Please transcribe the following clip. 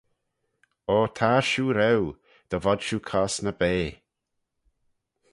O tar shiu reue, dy vod shiu cosney bea.